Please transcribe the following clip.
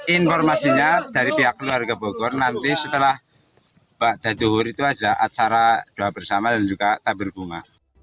informasinya dari pihak keluarga bogor nanti setelah pak daduhur itu ada acara doa bersama dan juga tabur bunga